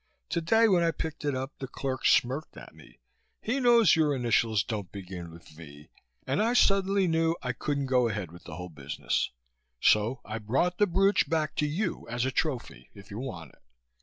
Today, when I picked it up, the clerk smirked at me he knows your initials don't begin with V and I suddenly knew I couldn't go ahead with the whole business. So I brought the brooch back to you as a trophy, if you want it.